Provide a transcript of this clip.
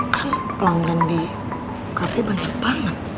kan pelanggan di kafe banyak banget